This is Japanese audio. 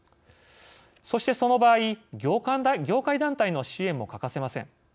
そして、その場合業界団体の支援も欠かせません。